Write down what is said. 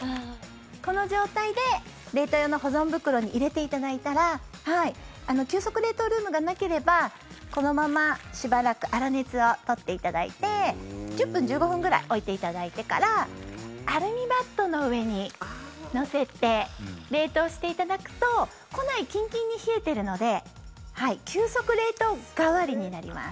この状態で冷凍用の保存袋に入れていただいたら急速冷凍ルームがなければこのまましばらく粗熱を取っていただいて１０分、１５分ぐらい置いていただいてからアルミバットの上に乗せて冷凍していただくと庫内キンキンに冷えてるので急速冷凍代わりになります。